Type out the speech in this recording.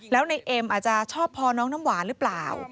แล้วในเอ็มอาจจะชอบพอน้องน้ำหวานหรือเปล่า